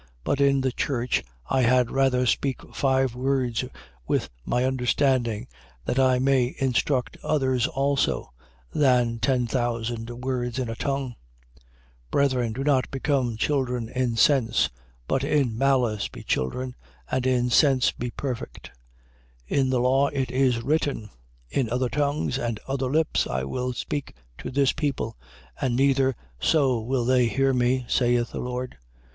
14:19. But in the church I had rather speak five words with my understanding, that I may instruct others also: than ten thousand words in a tongue. 14:20. Brethren, do not become children in sense. But in malice be children: and in sense be perfect. 14:21. In the law it is written: In other tongues and other lips I will speak to this people: and neither so will they hear me, saith the Lord.